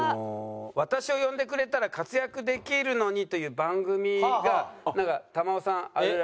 私を呼んでくれたら活躍できるのにという番組がなんか珠緒さんあるらしくて。